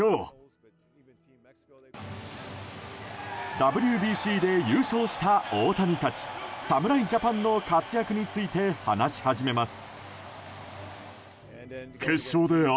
ＷＢＣで優勝した大谷たち侍ジャパンの活躍について話し始めます。